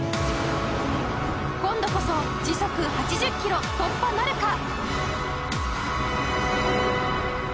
今度こそ時速８０キロ突破なるか？